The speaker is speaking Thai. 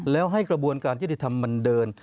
แล้วให้กระบวนการยุติธรรมมันเดิน